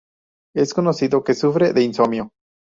Es conocido que sufre de insomnio.